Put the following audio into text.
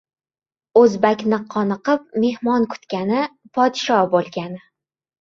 — O‘zbakni qoniqib mehmon kutgani — podsho bo‘lgani!